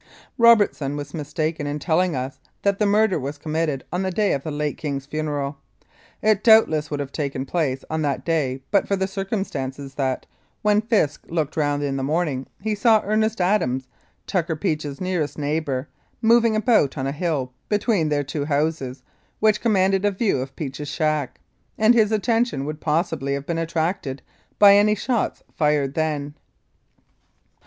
Robertson was mistaken in telling us that the murder was committed on the day of the late King's Mineral. It doubtless would have taken place on that day but for the circumstance that, when Fisk looked round in the morning, he saw Ernest Adams, Tucker Beach's nearest neighbour, moving about on a hill Between their two houses, which commanded a view of Peach's shack, and his attention would possibly have been attracted by any shots fired then.